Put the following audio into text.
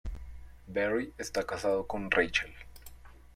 Barry está casado con Rachel.